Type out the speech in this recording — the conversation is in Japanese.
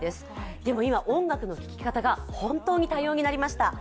でも今、音楽の聴き方が本当に多様になりました。